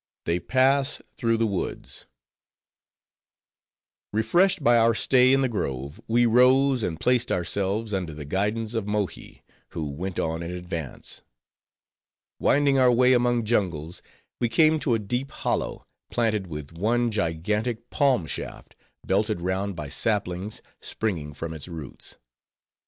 They Pass Through The Woods Refreshed by our stay in the grove, we rose, and placed ourselves under the guidance of Mohi; who went on in advance. Winding our way among jungles, we came to a deep hollow, planted with one gigantic palm shaft, belted round by saplings, springing from its roots.